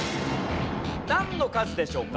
なんの数でしょうか？